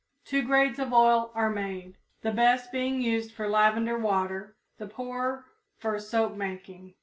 Two grades of oil are made, the best being used for lavender water, the poorer for soap making.